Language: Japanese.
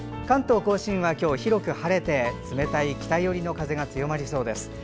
関東・甲信は今日、広く晴れて冷たい北寄りの風が強まりそうです。